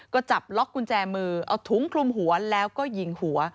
ก็จับล็อกกุญแจมือเอาถุงคลุมหัวแล้วก็ยิงหัว